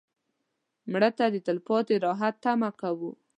مړه ته د تلپاتې راحت تمه کوو